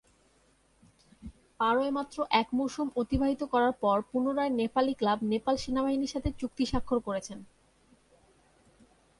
পারোয় মাত্র এক মৌসুম অতিবাহিত করার পর পুনরায় নেপালি ক্লাব নেপাল সেনাবাহিনীর সাথে চুক্তি স্বাক্ষর করেছেন।